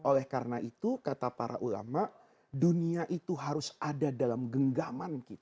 oleh karena itu kata para ulama dunia itu harus ada dalam genggaman kita